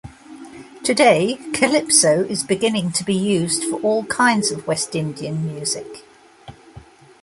Today, 'calypso' is beginning to be used for all kinds of West Indian music.